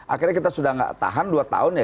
akhirnya kita sudah tidak tahan dua tahun ya